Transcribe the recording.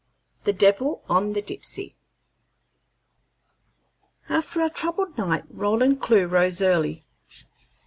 THE DEVIL ON THE DIPSEY After a troubled night, Roland Clewe rose early.